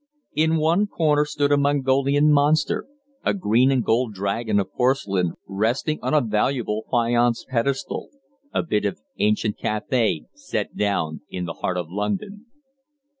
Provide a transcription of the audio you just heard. In one corner stood a Mongolian monster, a green and gold dragon of porcelain resting on a valuable faience pedestal a bit of ancient Cathay set down in the heart of London.